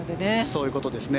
そういうことですね。